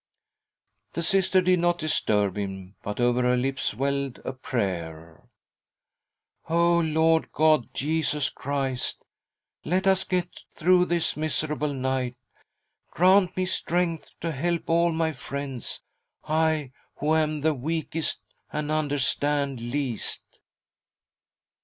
The Sister did. not disturb him, but over her lips welled a prayer. " O Lord God, Jesus Christ, let US get through this miserable night. Grant me MM :■ f :. 86 THY SOUL SHALL BEAR WITNESS ! strength to help all my friends— I who am the weakest and understand least